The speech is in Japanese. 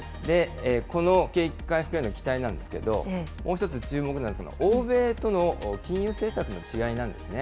この景気回復への期待なんですけど、もう１つ注目なのは欧米との金融政策の違いなんですね。